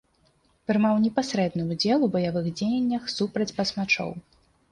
Прымаў непасрэдны ўдзел у баявых дзеяннях супраць басмачоў.